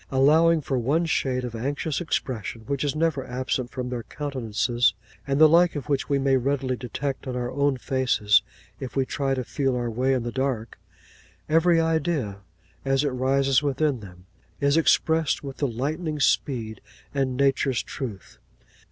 Allowing for one shade of anxious expression which is never absent from their countenances, and the like of which we may readily detect in our own faces if we try to feel our way in the dark, every idea, as it rises within them, is expressed with the lightning's speed and nature's truth.